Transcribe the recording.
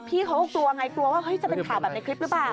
พี่เขาก็กลัวไงกลัวว่าจะเป็นข่าวแบบในคลิปหรือเปล่า